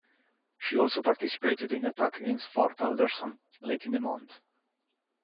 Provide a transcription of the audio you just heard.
She also participated in the attack against Fort Anderson late in the month.